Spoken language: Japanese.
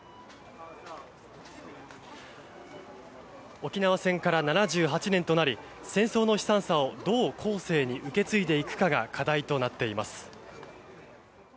沖縄戦から７８年となり戦争の悲惨さをどう後世に受け継いでいくかが課題となっています。